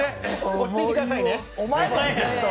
落ち着いてくださいね。